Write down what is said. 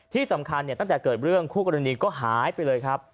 ที่สำคัญตั้งแต่เกิดเรื่องคู่กรณีก็หายไปเลยครับ